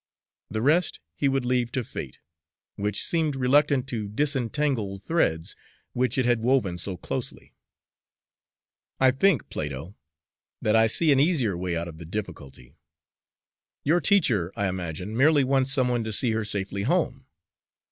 The rest he would leave to Fate, which seemed reluctant to disentangle threads which it had woven so closely. "I think, Plato, that I see an easier way out of the difficulty. Your teacher, I imagine, merely wants some one to see her safely home.